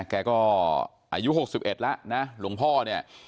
แกก็อายุหกสิบเอ็ดละนะหลวงพ่อเนี่ย